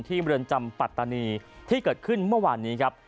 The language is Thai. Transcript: เมืองจำปัตตานีที่เกิดขึ้นเมื่อวานนี้ครับ